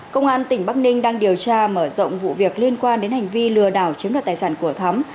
công an tỉnh bắc ninh đang điều tra mở rộng vụ việc liên quan đến hành vi lừa đảo chiếm đoạt tài sản của thắm